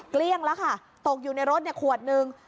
เกลี้ยงแล้วค่ะตกอยู่ในรถขวดนึง